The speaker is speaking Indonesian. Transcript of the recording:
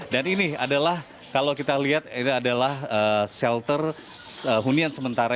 dan ini adalah kalau kita lihat ini adalah shelter hunian sementara